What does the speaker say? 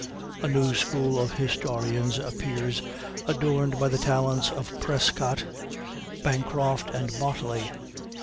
A new school of historians appears, adorned by the talents of Prescott, Bancroft, and Motley.